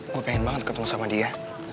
gue pengen banget ketemu sama dia